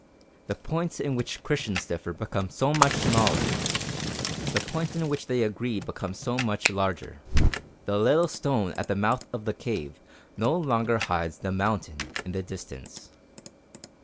The points in which Christians differ become so much smaller; the points in which they agree become so much larger. The little stone at the mouth of the cave no longer hides the mountain in the distance.